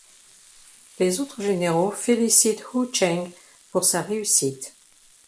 Les autres généraux félicitent Hou Cheng pour sa réussite.